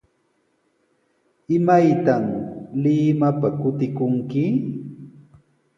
¿Imaytaq Limapa kutikunki?